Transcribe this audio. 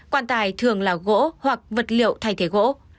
quan tài thường là gỗ hoặc vật liệu thay thế gỗ